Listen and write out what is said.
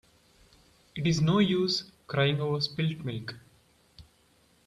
It is no use crying over spilt milk.